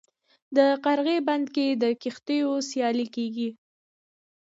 د قرغې بند کې د کښتیو سیالي کیږي.